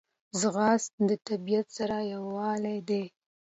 ځغاسته د طبیعت سره یووالی دی